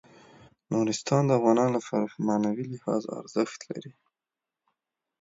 نورستان د افغانانو لپاره په معنوي لحاظ ارزښت لري.